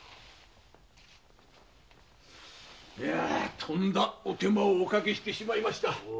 とんだお手間をおかけしてしまいました。